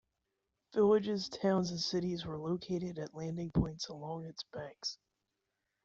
Villages, towns, and cities were located at landing points along its banks.